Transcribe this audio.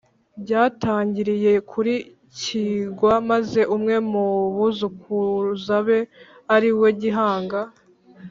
byatangiriye kuri kigwa, maze umwe mu buzukuruza be ariwe gihanga,